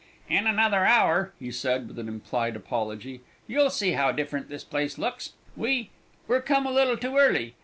"In another hour," he said, with an implied apology, "you'll see how different this place looks. We we're come a little too early.